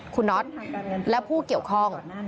คุณน็อตและผู้เกี่ยวข้อง